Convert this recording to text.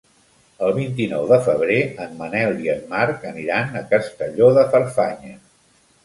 El vint-i-nou de febrer en Manel i en Marc aniran a Castelló de Farfanya.